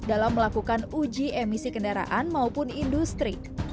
dalam melakukan uji emisi kendaraan maupun industri